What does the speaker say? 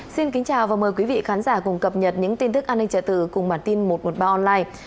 xin kính chào và mời quý vị khán giả cùng cập nhật những tin tức an ninh trả tử cùng bản tin một trăm một mươi ba online